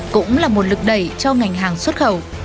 cũng là nguồn lực đẩy cho ngành hàng xuất khẩu